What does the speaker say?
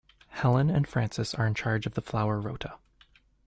Helen and Frances are in charge of the flower rota